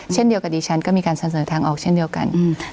เช่นเดียวกับดิฉันก็มีการเสนอทางออกเช่นเดียวกัน